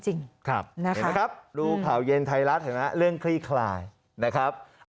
เห็นมั้ยครับดูข่าวเย็นไทยรัฐฯเรื่องคลี่คลายนะครับ